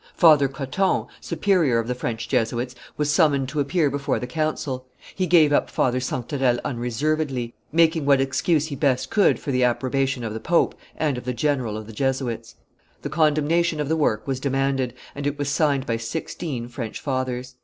Father Cotton, superior of the French Jesuits, was summoned to appear before the council; he gave up Father Sanctarel unreservedly, making what excuse he best could for the approbation of the pope and of the general of the Jesuits. The condemnation of the work was demanded, and it was signed by sixteen French fathers.